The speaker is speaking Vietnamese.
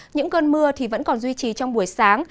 những cơn mưa vẫn còn duy trì trong buổi sáng